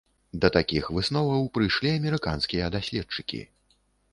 Да такіх высноваў прыйшлі амерыканскія даследчыкі.